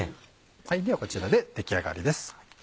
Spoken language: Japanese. ではこちらで出来上がりです。